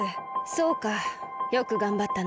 そうかよくがんばったな。